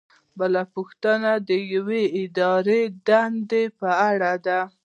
بله پوښتنه د یوې ادارې د دندو په اړه ده.